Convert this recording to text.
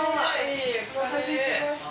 お待たせしました。